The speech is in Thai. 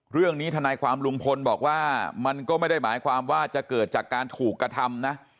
ทนายความลุงพลบอกว่ามันก็ไม่ได้หมายความว่าจะเกิดจากการถูกกระทำนะ